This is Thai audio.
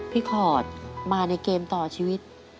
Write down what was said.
ขอดมาในเกมต่อชีวิต